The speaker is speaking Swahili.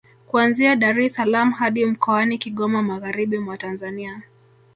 Kuanzia Dar es salaam hadi mkoani Kigoma magharibi mwa Tanzania